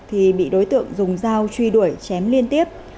thì bị đối tượng dùng dao truy đuổi chém liên tiếp